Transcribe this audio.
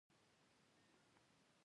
ورسره نشه يان هم زيات سوي وو.